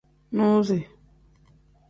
Nuzi.